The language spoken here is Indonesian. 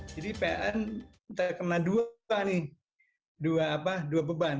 jadi pln terkena dua beban